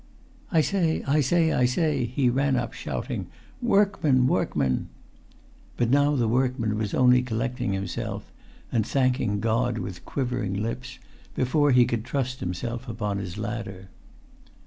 "I say, I say, I say!" he ran up shouting. "Workman, workman!" [Pg 279]But now the workman was only collecting himself, and thanking God with quivering lips, before he could trust himself upon his ladder.